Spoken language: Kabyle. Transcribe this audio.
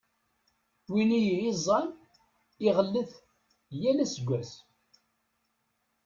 Win i iyi-iẓẓan, iɣellet yal aseggas.